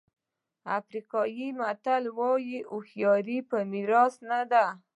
افریقایي متل وایي هوښیاري په میراث نه ده.